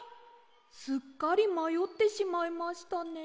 すっかりまよってしまいましたね。